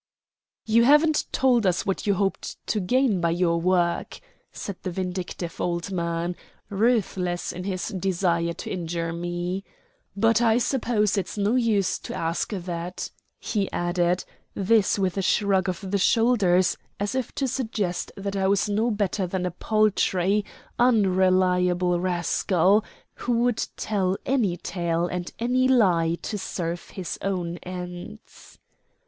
"You haven't told us what you hoped to gain by your work," said the vindictive old man, ruthless in his desire to injure me. "But I suppose it's no use to ask that," he added this with a shrug of the shoulders, as if to suggest that I was no better than a paltry, unreliable rascal, who would tell any tale and any lie to serve his own ends.